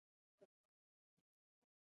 هغه د شګوفه په سمندر کې د امید څراغ ولید.